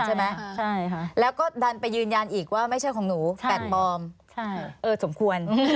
ชิบสองชั่วโมงนึกออกแล้ว